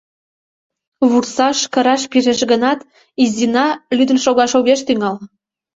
Вурсаш, кыраш пижеш гынат, Изина лӱдын шогаш огеш тӱҥал...